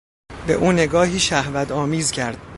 به او نگاهی شهوت آمیز کرد.